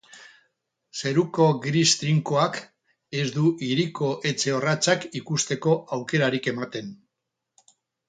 Zeruko gris trinkoak ez du hiriko etxe orratzak ikusteko aukerarik ematen.